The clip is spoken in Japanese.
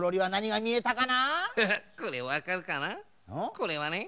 これはね